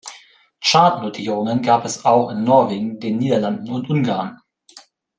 Chartnotierungen gab es auch in Norwegen, den Niederlanden und Ungarn.